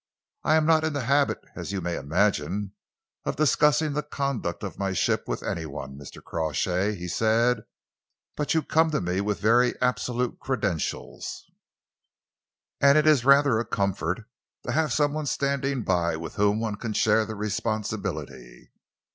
"I am not in the habit, as you may imagine, of discussing the conduct of my ship with any one, Mr. Crawshay," he said, "but you come to me with very absolute credentials, and it's rather a comfort to have some one standing by with whom one can share the responsibility.